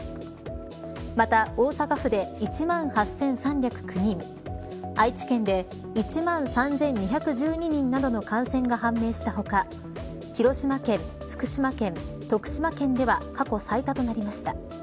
また、大阪府で１万８３０９人愛知県で１万３２１２人などの感染が判明した他広島県、福島県徳島県では過去最多となりました。